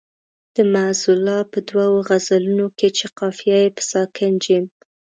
د معزالله خان په دوو غزلونو کې چې قافیه یې په ساکن جیم.